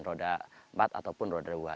roda empat ataupun roda dua